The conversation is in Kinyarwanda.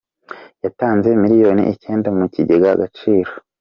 yatanze miliyoni icyenda mu kigega Agaciro